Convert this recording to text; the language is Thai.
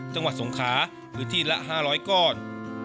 จังหวัดสงขาหรือที่ละ๕๐๐ก้อน